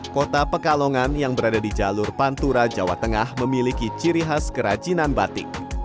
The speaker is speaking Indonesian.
kota pekalongan yang berada di jalur pantura jawa tengah memiliki ciri khas kerajinan batik